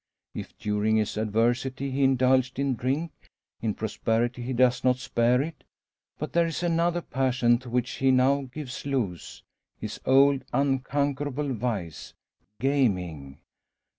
If, during his adversity he indulged in drink, in prosperity he does not spare it. But there is another passion to which he now gives loose his old, unconquerable vice gaming.